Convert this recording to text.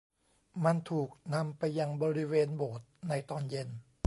มันถูกนำไปยังบริเวณโบสถ์ในตอนเย็น